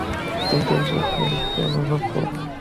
কিন্তু যোগাবস্থায় অনুভব ও অপরোক্ষানুভূতি এক হয়ে যায়।